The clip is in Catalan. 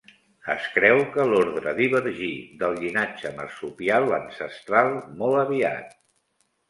Es creu que l'ordre divergí del llinatge marsupial ancestral molt aviat.